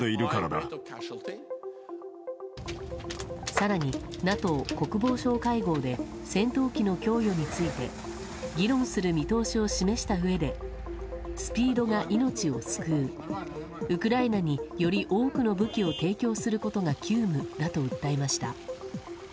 更にＮＡＴＯ国防相会合で戦闘機の供与について議論する見通しを示したうえでスピードが命を救うウクライナにより多くの武器を提供することが急務だと訴えました。